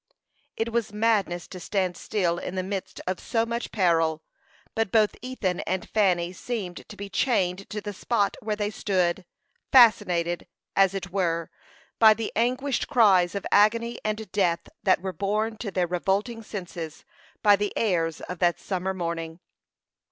It was madness to stand still in the midst of so much peril, but both Ethan and Fanny seemed to be chained to the spot where they stood, fascinated, as it were, by the anguished cries of agony and death that were borne to their revolting senses by the airs of that summer morning.